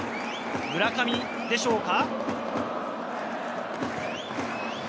村上でしょうか？